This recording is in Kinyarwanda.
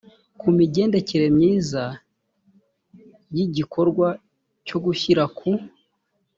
ku migendekere myiza y igikorwa cyo gushyira ku